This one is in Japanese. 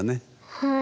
はい。